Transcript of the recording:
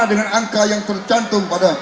dengan angka yang tercantum pada